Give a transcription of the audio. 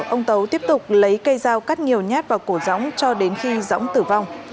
ông tấu tiếp tục lấy cây dao cắt nhiều nhát vào cổ dõng cho đến khi dõng tử vong